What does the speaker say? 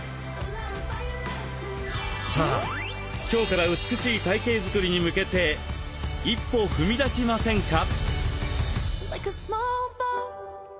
さあ今日から美しい体形作りに向けて一歩踏み出しませんか。